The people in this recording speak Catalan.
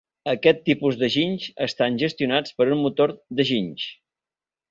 Aquests tipus de ginys estan gestionats per un motor de ginys.